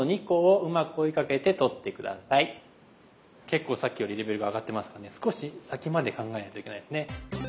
結構さっきよりレベルが上がってますからね少し先まで考えないといけないですね。